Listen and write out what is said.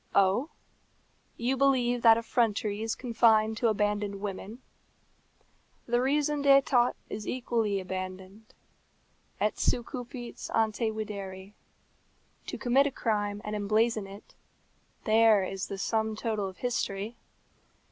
Oh! you believe that effrontery is confined to abandoned women? The raison d'état is equally abandoned. Et se cupit ante videri. To commit a crime and emblazon it, there is the sum total of history.